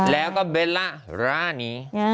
แล้วก็เบลล่าร่านี้